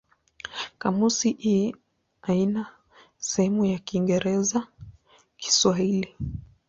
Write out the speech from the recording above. Kamusi hii haina sehemu ya Kiingereza-Kiswahili.